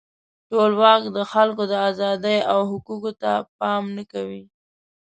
ټولواک د خلکو د آزادۍ او حقوقو ته پام نه کوي.